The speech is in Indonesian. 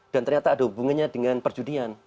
dan ternyata ada hubungannya dengan perjudian